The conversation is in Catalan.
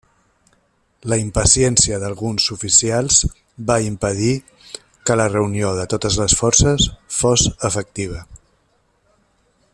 La impaciència d'alguns oficials va impedir que la reunió de totes les forces fos efectiva.